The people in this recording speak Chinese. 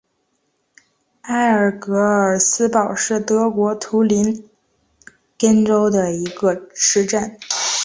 埃尔格尔斯堡是德国图林根州的一个市镇。